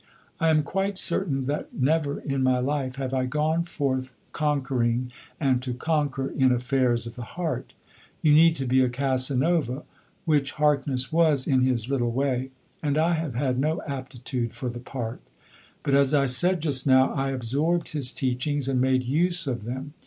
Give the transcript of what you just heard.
I am quite certain that never in my life have I gone forth conquering and to conquer in affairs of the heart. You need to be a Casanova which Harkness was in his little way and I have had no aptitude for the part. But as I said just now I absorbed his teachings and made use of them.